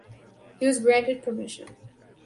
He was granted permission.